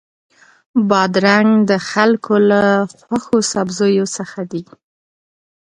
بادرنګ د خلکو له خوښو سبزیو څخه دی.